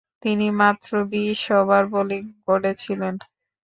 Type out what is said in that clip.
তিনি মাত্র বিশ ওভার বোলিং করেছিলেন।